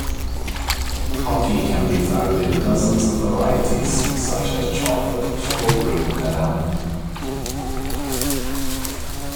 Pocky can be found in dozens of varieties such as chocolate, strawberry, and almond.